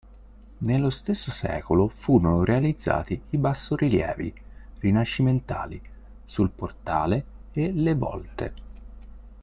Nello stesso secolo furono realizzati i bassorilievi rinascimentali sul portale e le volte.